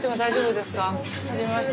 はじめまして。